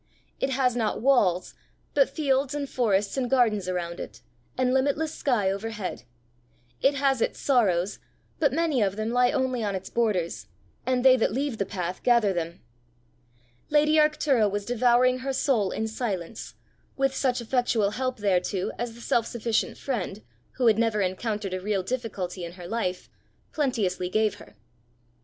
It has not walls, but fields and forests and gardens around it, and limitless sky overhead. It has its sorrows, but many of them lie only on its borders, and they that leave the path gather them. Lady Arctura was devouring her soul in silence, with such effectual help thereto as the self sufficient friend, who had never encountered a real difficulty in her life, plenteously gave her.